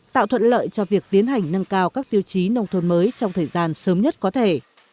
tạo thuận lợi cho việc tiến hành nâng cao các tiêu chí nông thôn mới trong thời gian sớm nhất có thể